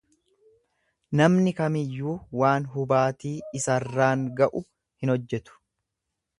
Namni kamiyyuu waan hubaatii isarraan ga'u hin hojjetu.